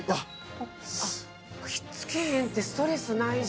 ひっつけへんってストレスないし。